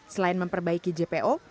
selain memperbaiki jpo